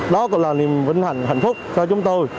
đó cũng là niềm vinh hạnh hạnh phúc cho chúng tôi